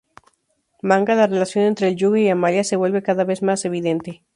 Manga: la relación entre el Yugo y Amalia se vuelve cada vez más evidente.